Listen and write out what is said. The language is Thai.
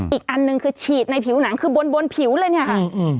อีกอันหนึ่งคือฉีดในผิวหนังคือบนผิวเลยเนี่ยค่ะ